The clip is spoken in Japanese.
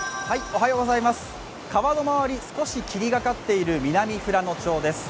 川の周り、少し霧がかっている南富良野町です。